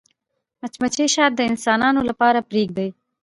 مچمچۍ شات د انسانانو لپاره پرېږدي